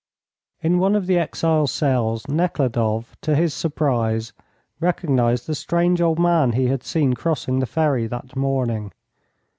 In one of the exiles' cells Nekhludoff, to his surprise, recognised the strange old man he had seen crossing the ferry that morning.